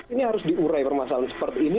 ini harus diurai permasalahan seperti ini